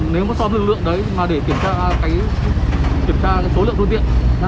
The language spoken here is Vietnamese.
nếu mà so với lực lượng đấy mà để kiểm tra số lượng đối tiện